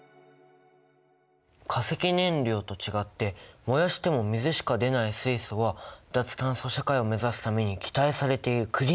化石燃料と違って燃やしても水しか出ない水素は脱炭素社会を目指すために期待されているクリーンなエネルギーなんだね。